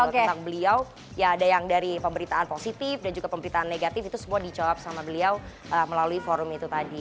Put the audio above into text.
tentang beliau ya ada yang dari pemberitaan positif dan juga pemberitaan negatif itu semua dijawab sama beliau melalui forum itu tadi